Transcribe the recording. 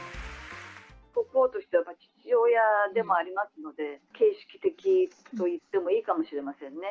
国王としては父親でもありますので、形式的と言ってもいいかもしれませんね。